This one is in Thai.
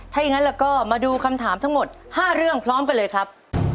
ถ้าอย่างนั้นแล้วก็มาดูคำถามทั้งหมด๕เรื่องพร้อมกันเลยครับ